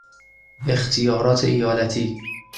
اختیارات ایالتی